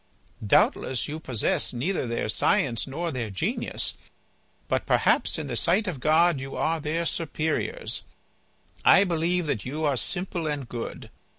Doubtless you possess neither their science nor their genius, but perhaps in the sight of God you are their superiors. I believe that you are simple and good.